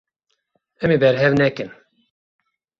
Em ê berhev nekin.